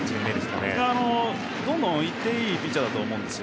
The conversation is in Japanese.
どんどん、いっていいピッチャーだと思います。